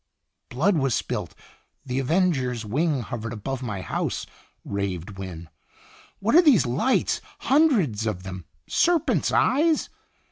"Blood was spilt the avenger's wing hov ered above my house," raved Wynne. "What are these lights, hundreds of them serpent's eyes?